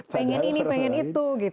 pengen ini pengen itu